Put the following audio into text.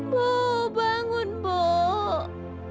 mbok bangun mbok